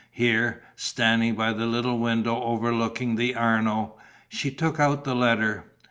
Here, standing by the little window overlooking the Arno, she took out the letter.